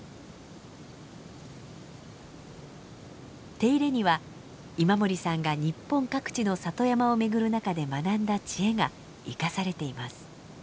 手入れには今森さんが日本各地の里山を巡る中で学んだ知恵が生かされています。